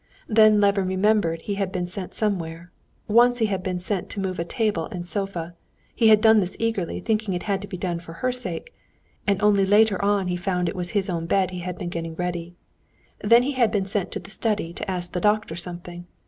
Then Levin remembered he had been sent somewhere. Once he had been sent to move a table and sofa. He had done this eagerly, thinking it had to be done for her sake, and only later on he found it was his own bed he had been getting ready. Then he had been sent to the study to ask the doctor something.